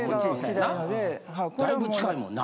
だいぶ近いもんな。